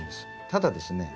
ただですね